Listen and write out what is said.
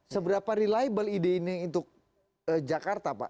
seberapa reliable ide ini untuk jakarta pak